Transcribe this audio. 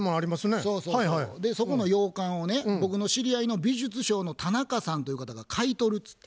僕の知り合いの美術商の田中さんという方が買い取るつって。